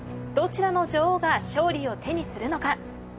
どちらの女王が勝利を手にするのか。